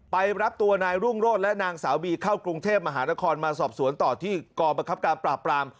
ไปรับตัวนายรุ่งโรธและนางสาวบีเข้ากรุงเทพมหานครมาสอบสวนต่อที่กรประคับการปราบปราม